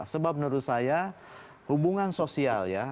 sebab menurut saya hubungan sosial ya